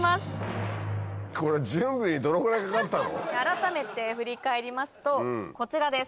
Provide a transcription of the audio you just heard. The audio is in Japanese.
改めて振り返りますとこちらです。